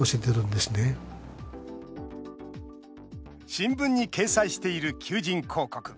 新聞に掲載している求人広告。